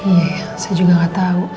iya saya juga gak tau